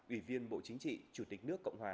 ủy viên bộ chính trị chủ tịch nước cộng hòa